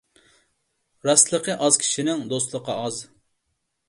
راستلىقى ئاز كىشىنىڭ دوستلۇقى ئاز.